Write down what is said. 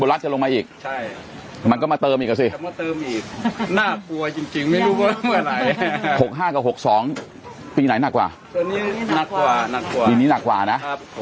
หนึ่งนี้หนักกว่าหนักกว่าหนึ่งนี้หนักกว่านะขอบพระคุณครับอ่า